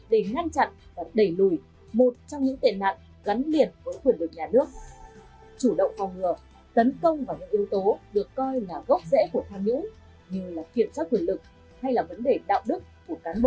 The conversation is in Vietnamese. để ngăn chặn và đẩy lùi một trong những tệ nạn gắn liệt với quyền lực nhà nước